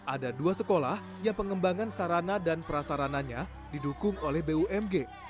ada dua sekolah yang pengembangan sarana dan prasarananya didukung oleh bumg